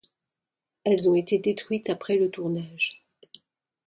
Elles ont été détruites après le tournage.